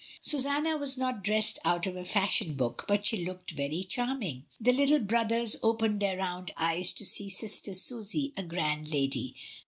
Susanna was not dressed out of a fashion book, but she looked very charming. The little brothers opened their round eyes to see Sister Susy a grand lady.